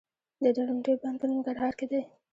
د درونټې بند په ننګرهار کې دی